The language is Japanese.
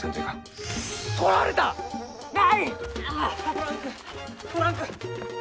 トランクトランク！